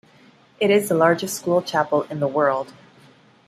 It is the largest school chapel in the world.